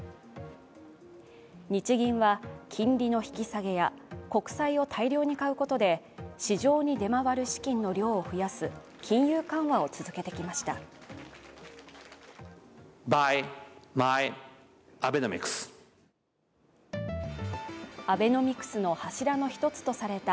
日銀は金利の引き下げや国債を大量に買うことで市場に出回る資金の量を増やす金融緩和を続けてきました。